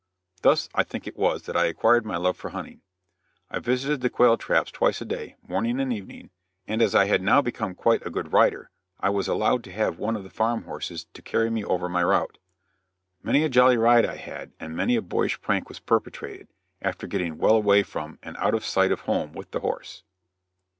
Thus I think it was that I acquired my love for hunting. I visited the quail traps twice a day, morning and evening, and as I had now become quite a good rider I was allowed to have one of the farm horses to carry me over my route. Many a jolly ride I had and many a boyish prank was perpetrated after getting well away from and out of the sight of home with the horse.